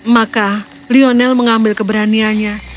maka lionel mengambil keberaniannya